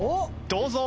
どうぞ。